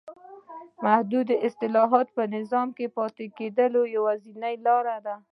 محدود اصلاحات په نظام کې د پاتې کېدو یوازینۍ لار ده.